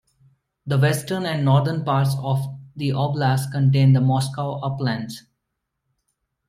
The western and northern parts of the oblast contain the Moscow Uplands.